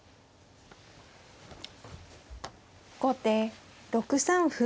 後手６三歩。